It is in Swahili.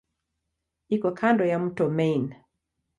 Iko kando ya mto Main.